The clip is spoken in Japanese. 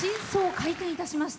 開店いたしました。